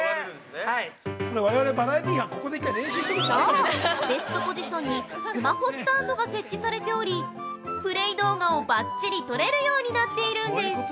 ◆そう、ベストポジションにスマホスタンドが設置されており、プレイ動画をばっちり撮れるようになっているんです。